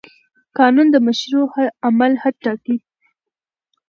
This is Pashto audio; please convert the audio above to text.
قانون د مشروع عمل حد ټاکي.